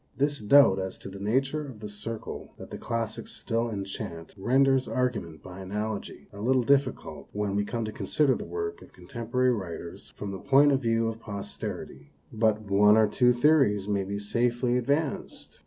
This doubt as to the nature of the circle that the classics still enchant renders argu ment by analogy a little difficult when we come to consider the work of contemporary writers from the point of view of posterity, THE VERDICT OF POSTERITY 185 but one or two theories may safely be ad vanced.